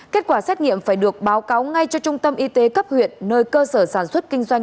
kết quả xét nghiệm phải được báo cáo ngay cho trung tâm y tế cấp huyện nơi cơ sở sản xuất kinh doanh